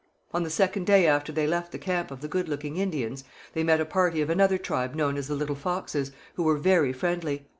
On the second day after they left the camp of the Good looking Indians, they met a party of another tribe known as the Little Foxes, who were very friendly.